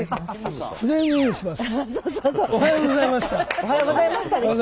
「おはようございました」ですよ。